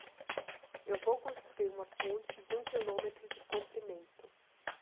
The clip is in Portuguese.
Eu vou construir uma ponte de um quilômetro de comprimento.